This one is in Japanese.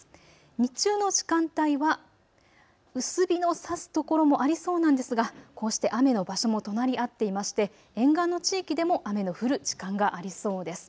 日中の時間帯は薄日のさす所もありそうなんですが、こうして雨の場所も隣り合っていまして、沿岸の地域でも雨の降る時間がありそうです。